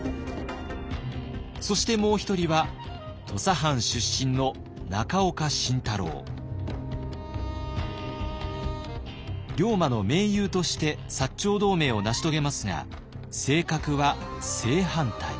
そしてもう一人は土佐藩出身の龍馬の盟友として長同盟を成し遂げますが性格は正反対。